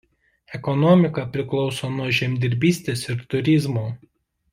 Ekonomika priklausoma nuo žemdirbystės ir turizmo.